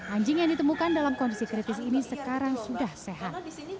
anjing yang ditemukan dalam kondisi kritis ini sekarang sudah sehat